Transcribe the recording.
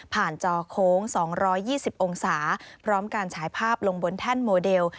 จอโค้ง๒๒๐องศาพร้อมการฉายภาพลงบนแท่นโมเดล